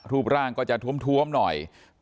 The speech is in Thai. รูปร่างก็จะท้วมหน่อย